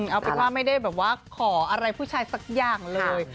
เอาเป็นว่าไม่ได้แบบว่าขออะไรผู้ชายสักอย่างเลย